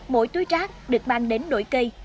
mỗi túi trác được mang đến nội cây